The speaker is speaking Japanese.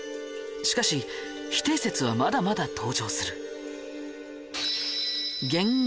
しかし否定説はまだまだ登場する。